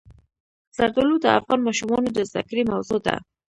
زردالو د افغان ماشومانو د زده کړې موضوع ده.